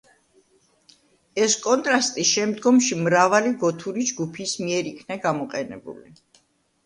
ეს კონტრასტი შემდგომში მრავალი გოთური ჯგუფის მიერ იქნა გამოყენებული.